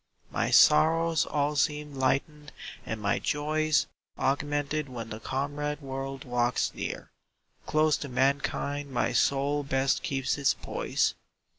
My sorrows all seem lightened and my joys Augmented when the comrade world walks near; Close to mankind my soul best keeps its poise.